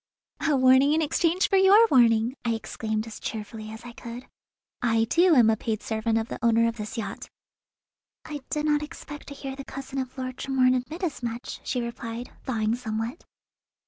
"A warning in exchange for your warning!" I exclaimed as cheerfully as I could. "I, too, am a paid servant of the owner of this yacht." "I did not expect to hear the cousin of Lord Tremorne admit as much," she replied, thawing somewhat.